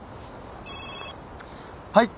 はい。